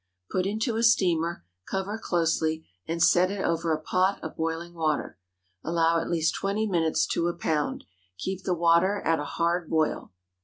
Put into a steamer, cover closely, and set it over a pot of boiling water. Allow at least twenty minutes to a pound. Keep the water at a hard boil.